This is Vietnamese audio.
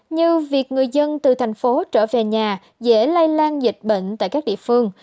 như việc người dân từ thành phố trở về nhà dễ lây lan dịch bệnh tại các địa phương